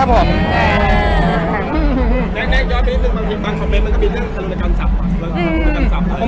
นะครับผม